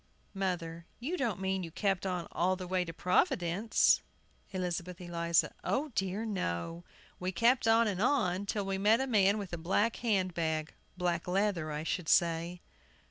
MOTHER. You don't mean you kept on all the way to Providence? ELIZABETH ELIZA. O dear, no! We kept on and on, till we met a man with a black hand bag black leather I should say.